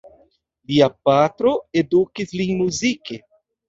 Lia patro edukis lin muzike.